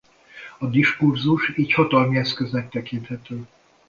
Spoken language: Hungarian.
A diskurzus így hatalmi eszköznek tekinthető.